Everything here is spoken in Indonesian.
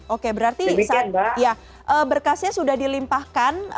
oke berarti berkasnya sudah dilimpahkan